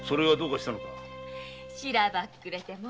しらばっくれて。